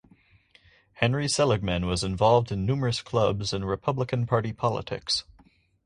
Henry Seligman was involved in numerous clubs and Republican Party politics.